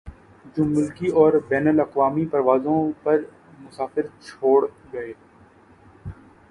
جو ملکی اور بین الاقوامی پروازوں پر مسافر چھوڑ گئے